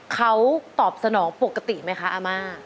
เขาตอบสนองปกติไหมคะอาม่า